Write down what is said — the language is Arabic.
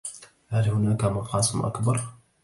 هل هناك مقاس أكبر؟